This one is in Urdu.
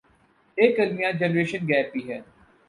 ایک المیہ جنریشن گیپ بھی ہے